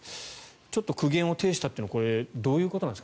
ちょっと苦言を呈したというのはこれはどういうことなんですか？